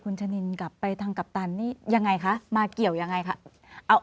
คุณชะนินกลับไปทางกัปตันนี่ยังไงคะมาเกี่ยวยังไงคะ